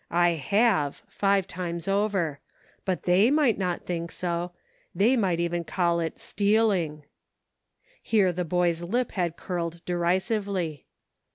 I have, five times over : but they IN SEARCH OF HOME. 29 might not think so ; they might even call it steal ing!'' Here the boy's lip had curled derisively.